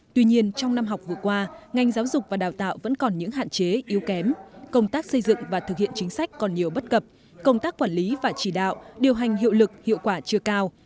tuy nhiên trong năm học vừa qua ngành giáo dục và đào tạo vẫn còn những hạn chế yếu kém công tác xây dựng và thực hiện chính sách còn nhiều bất cập công tác quản lý và chỉ đạo điều hành hiệu lực hiệu quả chưa cao